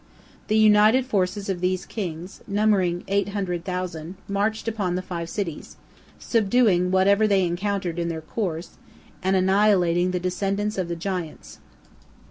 The united forces of these kings, numbering eight hundred thousand, marched upon the five cities, subduing whatever they encountered in their course, and annihilating the descendants of the giants.